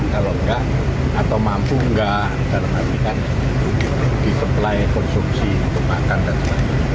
kalau tidak atau mampu tidak dalam arti kan di supply konsumsi untuk makan dan sebagainya